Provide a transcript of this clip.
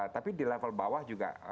tapi di level bawah juga